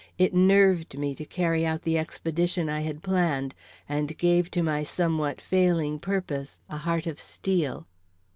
It nerved me to carry out the expedition I had planned, and gave to my somewhat failing purpose a heart of steel.